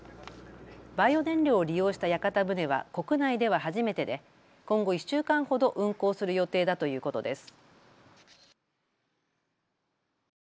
バイオ燃料を利用した屋形船は国内では初めてで今後１週間ほど運航する予定だということです。